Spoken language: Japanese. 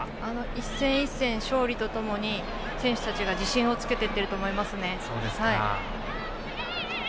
一戦一戦、勝利とともに選手たちが自信をつけていっていると思いますね。